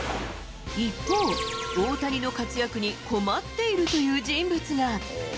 一方、大谷の活躍に困っているという人物が。